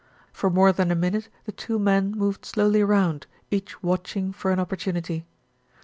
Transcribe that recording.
For more than a minute the two men moved slowly round, each watching for an opportunity.